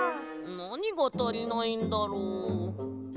なにがたりないんだろう？